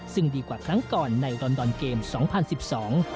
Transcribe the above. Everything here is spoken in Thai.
ซึ่งดีกว่าครั้งก่อนในรอนดอนเกมส์๒๐๑๒